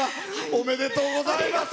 おめでとうございます。